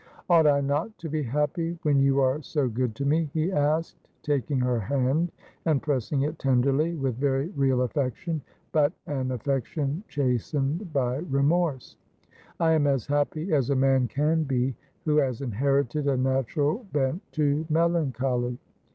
' Ought I not to be happy, when you are so good to me ?' he asked, taking her hand and pressing it tenderly, with very real affection, but an afEection chastened by remorse. 'I am as happy as a man can be who has inherited a natural bent to melancholy.